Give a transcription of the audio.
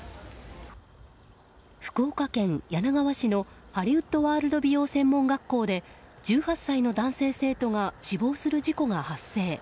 福岡県柳川市のハリウッドワールド美容専門学校で１８歳の男性生徒が死亡する事故が発生。